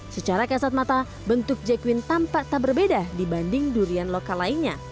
secara kesat mata bentuk j queen tampak tak berbeda dibanding durian lokal lainnya